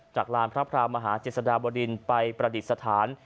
ลานพระพรามหาเจษฎาบดินไปประดิษฐาน